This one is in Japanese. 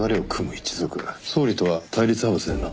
総理とは対立派閥だよな。